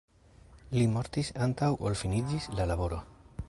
Li mortis antaŭ ol finiĝis la laboro.